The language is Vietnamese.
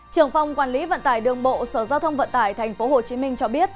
trưởng phòng quản lý vận tải đường bộ sở giao thông vận tải tp hcm cho biết